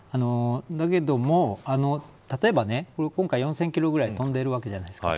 だけれども例えば今回４０００キロぐらい飛んでいるわけじゃないですか。